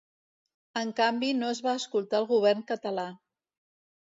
En canvi no es va escoltar el govern català.